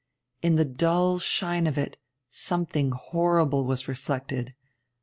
In the dull shine of it something horrible was reflected....